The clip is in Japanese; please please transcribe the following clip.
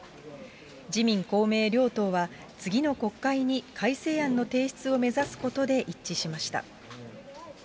自民、公明両党は、次の国会に改正案の提出を目指すことで一致しました。